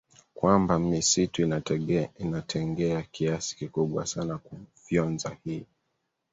kwamba misitu inatengea kiasi kikubwa sana kuvyonza hii